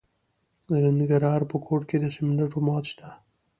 د ننګرهار په کوټ کې د سمنټو مواد شته.